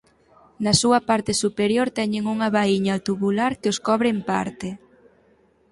Na súa parte superior teñen unha vaíña tubular que os cobre en parte.